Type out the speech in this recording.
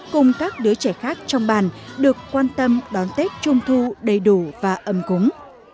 cùng các đứa trẻ khác trong bàn được quan tâm đón tết trung thu đầy đủ và ấm cúng